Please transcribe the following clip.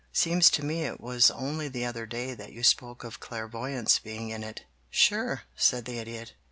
Seems to me it was only the other day that you spoke of Clairvoyants being in it." "Sure," said the Idiot.